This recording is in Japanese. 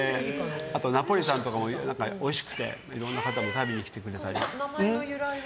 あとナポリタンとかもおいしくていろんな方も食べに来てくれたり。